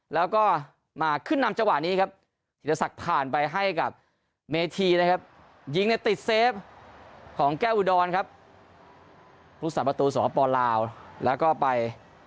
ลูกษัตริย์ประตูสปลาวแล้วก็ไป